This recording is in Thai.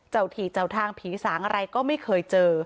ถี่เจ้าทางผีสางอะไรก็ไม่เคยเจอ